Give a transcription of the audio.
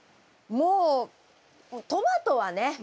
もうトマトはね